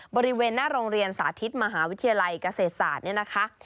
บริเวณหน้าโรงเรียนสาธิตมหาวิทยาลัยเกษตรศาสตร์เนี่ยนะคะ